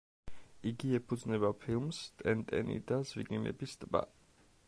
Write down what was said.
იგი ეფუძნება ფილმს „ტენტენი და ზვიგენების ტბა“.